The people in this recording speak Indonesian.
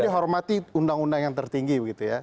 jadi hormati undang undang yang tertinggi